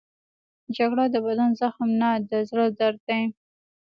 جګړه د بدن زخم نه، د زړه درد دی